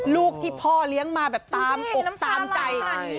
ลูกที่พ่อเลี้ยงมาแบบตามอกตามใจ